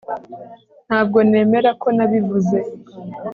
ntabwo nemera ko nabivuze